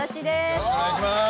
よろしくお願いします。